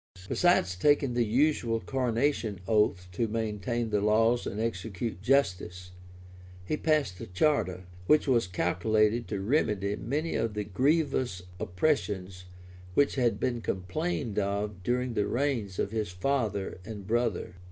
Besides taking the usual coronation oath to maintain the laws and execute justice, he passed a charter, which was calculated to remedy many of the grievous oppressions which had been complained of during the reigns of his father and brother.